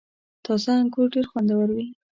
• تازه انګور ډېر خوندور وي.